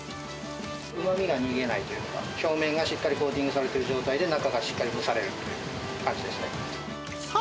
うまみが逃げないというか、表面がしっかりコーティングされてる状態で、中がしっかりねさせるっていうか感じですね。